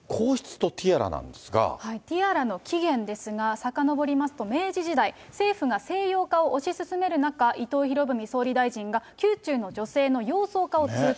ティアラの起源ですが、さかのぼりますと、明治時代、政府が西洋化を推し進める中、伊藤博文総理大臣が宮中の女性の洋装化を通達。